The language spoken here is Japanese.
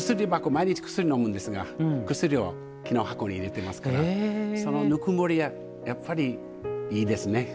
毎日薬のむんですが薬を木の箱に入れてますからそのぬくもりはやっぱりいいですね。